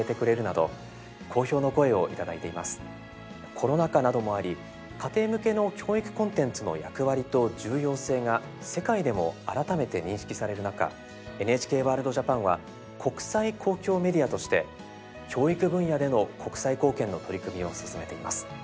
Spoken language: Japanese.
コロナ禍などもあり家庭向けの教育コンテンツの役割と重要性が世界でも改めて認識される中「ＮＨＫワールドＪＡＰＡＮ」は国際公共メディアとして教育分野での国際貢献の取り組みを進めています。